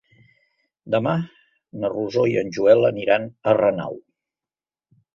Demà na Rosó i en Joel aniran a Renau.